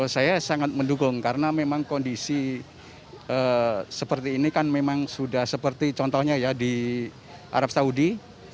saya sangat mendukung karena memang kondisi seperti ini kan memang sudah seperti contohnya ya di arab saudi